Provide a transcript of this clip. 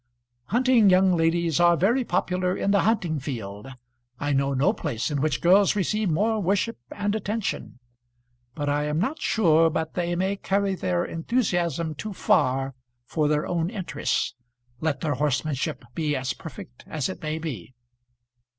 Hunting young ladies are very popular in the hunting field; I know no place in which girls receive more worship and attention; but I am not sure but they may carry their enthusiasm too far for their own interests, let their horsemanship be as perfect as it may be.